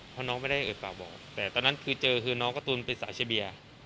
เพราะน้องไม่ได้เอ่ยปากบอกแต่ตอนนั้นคือเจอคือน้องการ์ตูนเป็นสายเชียเบีย